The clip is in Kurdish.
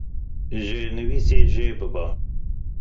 Jêrnivîsê jê bibe.